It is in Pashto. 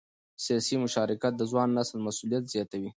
سیاسي مشارکت د ځوان نسل مسؤلیت زیاتوي